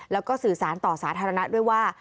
แล้วก็สื่อสารต่อสาธารณะด้วยว่า